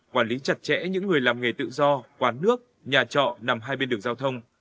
quản lý chặt chẽ những người làm nghề tự do quán nước nhà trọ nằm hai bên đường giao thông